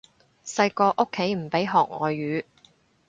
細個屋企唔俾學外語